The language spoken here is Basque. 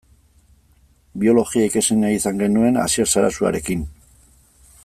Biologia ikasi nahi izan genuen Asier Sarasuarekin.